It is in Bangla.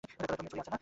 ছুড়ি আছে না?